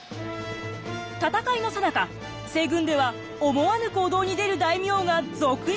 戦いのさなか西軍では思わぬ行動に出る大名が続出。